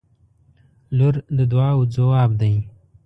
• لور د دعاوو ځواب دی.